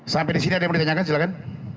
sampai disini ada yang mau ditanyakan silahkan